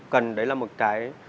cần đấy là một cái